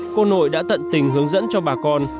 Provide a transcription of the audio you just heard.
cô nội đã tận tình hướng dẫn cho bà con